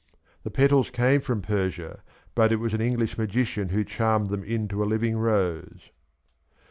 'The petals came from Persia^ but it was an English magician who charmed them into a living rose.